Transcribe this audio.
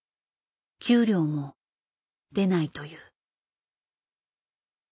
給料も出ないという。